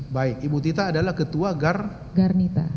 baik ibu tita adalah ketua gar garnita